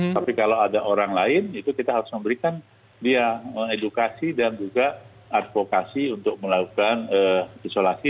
tapi kalau ada orang lain itu kita harus memberikan dia edukasi dan juga advokasi untuk melakukan isolasi